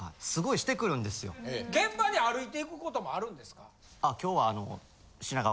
現場に歩いていくこともあるんですか？